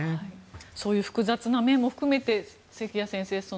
そういう複雑な面も含めて関谷先生